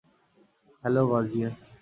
Hello, gorgeous.